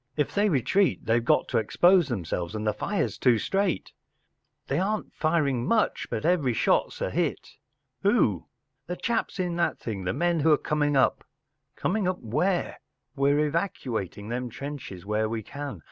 “ If they retreat they got to expose themselves, and the fire’s too straight. ...” “ They aren’t firing much, but every shot’s a hit.” “ Who?” “ The chaps in that thing. The men who’re coming up ” “Coming up where?” “ We’re evacuating them trenches where we can.